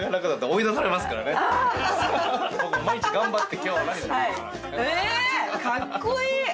かっこいい！